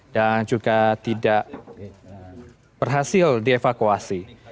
dan juga tidak berhasil dievakuasi